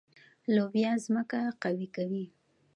لوبیا ځمکه قوي کوي.